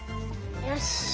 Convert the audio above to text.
よし。